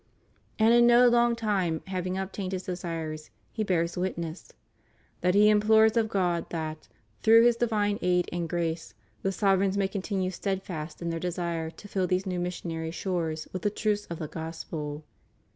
And in no long time having obtained his desires, he bears witness: "That he implores of God that, through His divine aid and grace, the sovereigns may continue stead fast in their desire to fill these new missionary shores with the truths of the Gospel."